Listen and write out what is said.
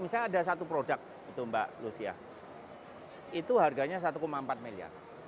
misalnya ada satu produk itu mbak lucia itu harganya satu empat miliar